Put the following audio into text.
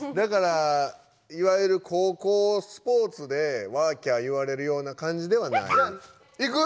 いわゆる高校スポーツでワーキャー言われるような感じではない。